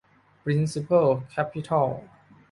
พริ้นซิเพิล แคปิตอล